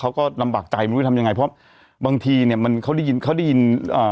เขารู้ว่ามันมีเรื่องของการเสพยาเรื่องอะไรบนคอนโดอะ